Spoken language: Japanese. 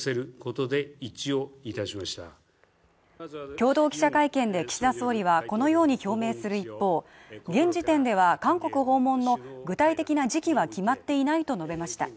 共同記者会見で岸田総理はこのように表明する一方、現時点では韓国訪問の具体的な時期は決まっていないと述べました。